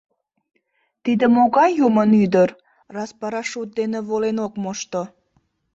Тиде могай Юмын ӱдыр, раз парашют дене волен ок мошто!..